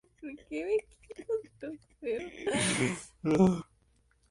Otro factor que debe ser considerado en una esterilización es el tiempo requerido.